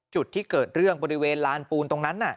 จุดที่เกิดเรื่องบริเวณลานปูนตรงนั้น